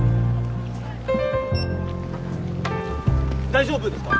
大丈夫ですか？